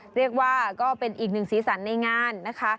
เรียกว่าก็เป็นอีกหนึ่งสีสันในงานนะคะ